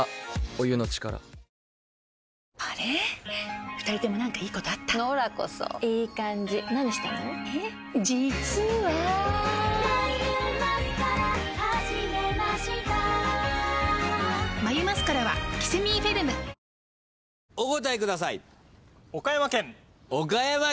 お答えください。